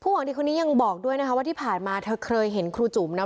หวังดีคนนี้ยังบอกด้วยนะคะว่าที่ผ่านมาเธอเคยเห็นครูจุ๋มนะ